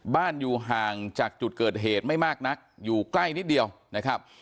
อยู่ห่างจากจุดเกิดเหตุไม่มากนักอยู่ใกล้นิดเดียวนะครับ